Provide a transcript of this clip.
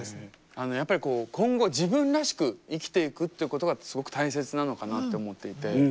あのやっぱりこう今後自分らしく生きていくっていうことがすごく大切なのかなって思っていて。